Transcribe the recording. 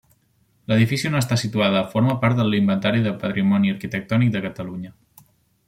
L'edifici on està situada forma part de l'Inventari del Patrimoni Arquitectònic de Catalunya.